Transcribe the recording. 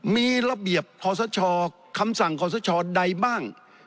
มีระเบียบขอสชคำสั่งขอสชใดบ้าง